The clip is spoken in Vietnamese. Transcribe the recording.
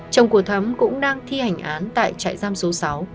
chồng của thắm cũng đang thi hành án tại trại giam số sáu